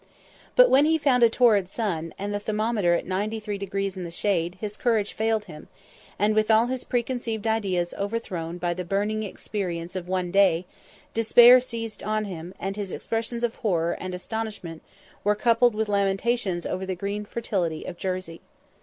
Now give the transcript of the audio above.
But when he found a torrid sun, and the thermometer at 93° in the shade, his courage failed him, and, with all his preconceived ideas overthrown by the burning experience of one day, despair seized on him, and his expressions of horror and astonishment were coupled with lamentations over the green fertility of Jersey.